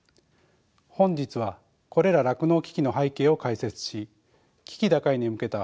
本日はこれら酪農危機の背景を解説し危機打開に向けた方策を提案します。